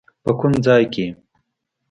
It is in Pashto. په کوم ځای کې؟